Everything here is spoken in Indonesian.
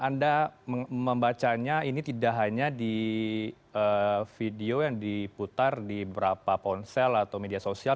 anda membacanya ini tidak hanya di video yang diputar di beberapa ponsel atau media sosial